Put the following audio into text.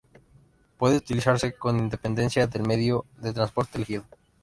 Puede utilizarse con independencia del medio de transporte elegido.